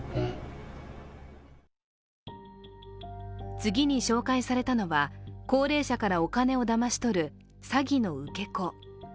次に紹介されたのは高齢者からお金をだまし撮る詐欺の受け子。